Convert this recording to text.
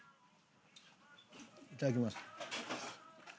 いただきます。